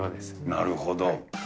なるほど。